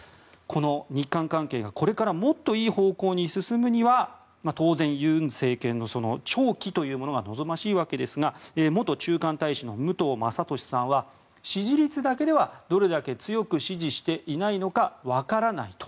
日韓関係がこれからもっといい方向に進むには当然、尹政権の長期というものが望ましいわけですが元駐韓大使の武藤正敏さんは支持率だけではどれだけ強く支持していないのかわからないと。